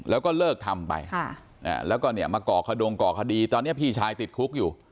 แล้วก็เลิกทำไปแล้วก็เนี่ยมาก่อขดงก่อคดีตอนนี้พี่ชายติดคุกอยู่